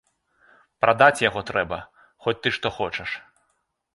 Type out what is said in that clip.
Прадаць яго трэба, хоць ты што хочаш.